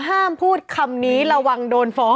ห้ามพูดคำนี้ระวังโดนฟ้อง